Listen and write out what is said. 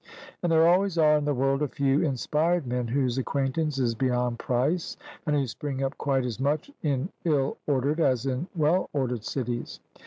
And there always are in the world a few inspired men whose acquaintance is beyond price, and who spring up quite as much in ill ordered as in well ordered cities.